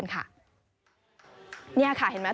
เนี่ยค่ะเห็นมั้ย